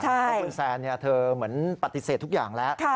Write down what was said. เพราะคุณแซนเธอเหมือนปฏิเสธทุกอย่างแล้ว